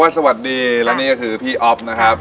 สวัสดีและนี่ก็คือพี่อ๊อฟนะครับ